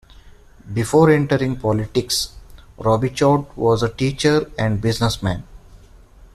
Before entering politics, Robichaud was a teacher and businessman.